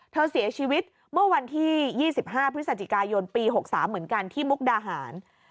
เธอเสียชีวิตเมื่อวันที่๒๕พฤศจิกายนปี๖๓เหมือนกันที่มุกดาหาร